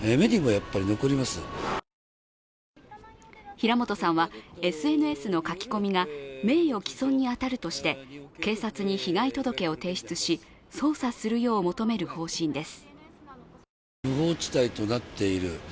平本さんはＳＮＳの書き込みが名誉毀損に当たるとして警察に被害届を提出し捜査するよう求める方針です。